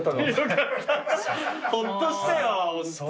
ほっとしたよ。